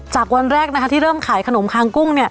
วันแรกนะคะที่เริ่มขายขนมคางกุ้งเนี่ย